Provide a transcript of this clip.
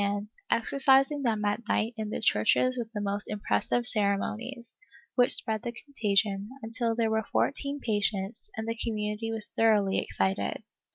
XVI] DEMONIACAL POSSESSION 351 hand, exorcising them at night in tlie churches vritli the most impressive ceremonies, which spread the contagion, until there were fourteen patients, and tlie community w^as thoroughly excited.